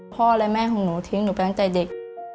พ่อและแม่ของหนูทิ้งหนูไปตั้งแต่เด็ก